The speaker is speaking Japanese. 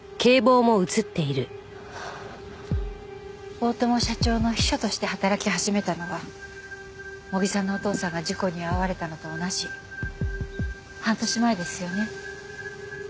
大友社長の秘書として働き始めたのは茂木さんのお父さんが事故に遭われたのと同じ半年前ですよね？